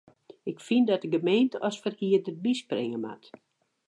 Ik fyn dat de gemeente as ferhierder byspringe moat.